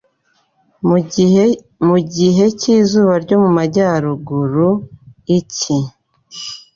Mu gihe cy'izuba ryo mu majyaruguru Icyi